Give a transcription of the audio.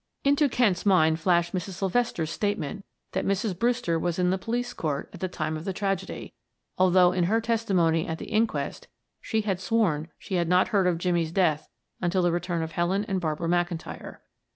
Into Kent's mind flashed Mrs. Sylvester's statement that Mrs. Brewster was in the police court at the time of the tragedy, although in her testimony at the inquest she had sworn she had not heard of Jimmie's death until the return of Helen and Barbara McIntyre.